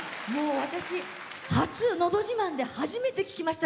私、初、「のど自慢」で初めて聴きました